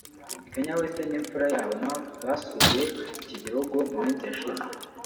Kanye West n’impfura yabo North basuye iki gihugu mu minsi yashize